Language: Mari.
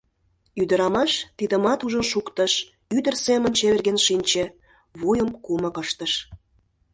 Ӱдырамаш тидымат ужын шуктыш, ӱдыр семын чеверген шинче, вуйым кумык ыштыш.